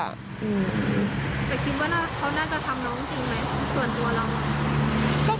แต่คิดว่าเขาน่าจะทำน้องจริงไหมส่วนตัวเราอ่ะ